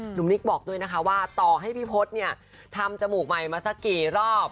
หนูมิคบอกด้วยนะคะว่าต่อให้ไปพี่พลดทำจมูกใหม่มาเมื่อกี่รอบ